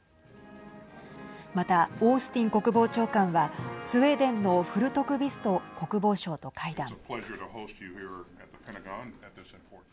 また、オースティン国防長官はスウェーデンのフルトクビスト国防相と会談。